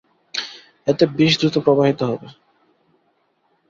এতে বিষ দ্রুত প্রবাহিত হবে।